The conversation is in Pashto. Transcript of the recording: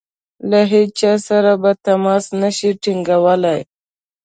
له هیچا سره به تماس نه شي ټینګولای.